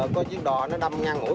có chiếc đò nó đâm ngang mũi